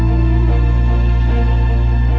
tahu yang akhirnya